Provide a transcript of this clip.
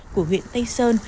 của huyện tây sơn